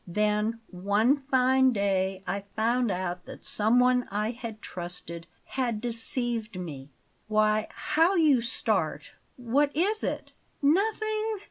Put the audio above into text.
Then one fine day I found out that someone I had trusted had deceived me. Why, how you start! What is it?" "Nothing.